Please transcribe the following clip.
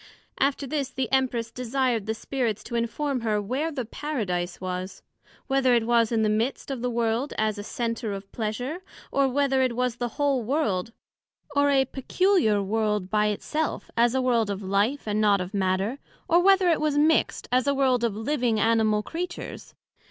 After this, the Empress desired the Spirits to inform her where the Paradise was, Whether it was in the midst of the World as a Centre of pleasure? or, Whether it was the whole World; or a peculiar World by it self, as a World of Life, and not of Matter; or whether it was mixt, as a world of living animal Creatures?